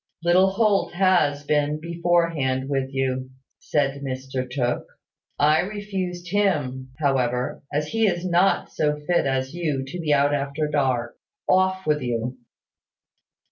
"Little Holt has been beforehand with you," said Mr Tooke. "I refused him, however, as he is not so fit as you to be out after dark. Off with you!"